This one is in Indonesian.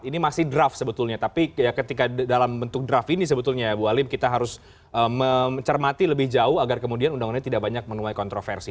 ini masih draft sebetulnya tapi ketika dalam bentuk draft ini sebetulnya ya bu alim kita harus mencermati lebih jauh agar kemudian undang undang ini tidak banyak menuai kontroversi